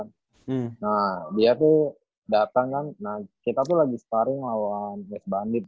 nah dia tuh datang kan nah kita tuh lagi sparring lawan west bandit